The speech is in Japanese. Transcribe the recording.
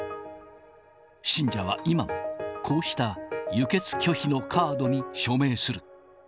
信者は今も、こうした輸血拒否のカードに署名する。